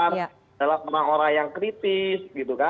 adalah orang orang yang kritis